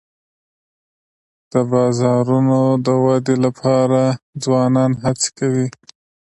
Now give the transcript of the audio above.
د بازارونو د ودي لپاره ځوانان هڅي کوي.